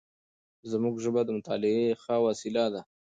زموږ ژبه د مطالعې ښه وسیله ده.